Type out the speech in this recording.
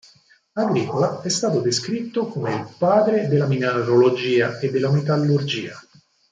Agricola è stato descritto come il padre della mineralogia e della metallurgia.